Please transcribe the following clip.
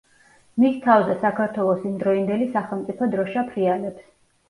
მის თავზე საქართველოს იმდროინდელი სახელმწიფო დროშა ფრიალებს.